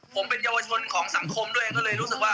ผมเป็นเยาวชนของสังคมด้วยเองก็เลยรู้สึกว่า